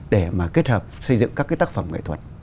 để mà kết hợp xây dựng các cái tác phẩm nghệ thuật